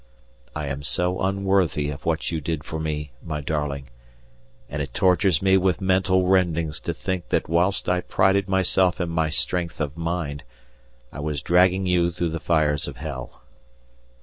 I am so unworthy of what you did for me, my darling, and it tortures me with mental rendings to think that whilst I prided myself in my strength of mind, I was dragging you through the fires of hell.